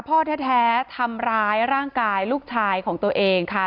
พ่อแท้ทำร้ายร่างกายลูกชายของตัวเองค่ะ